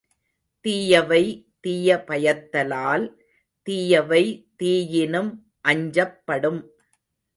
தீயவை தீய பயத்தலால் தீயவை தீயினும் அஞ்சப் படும்.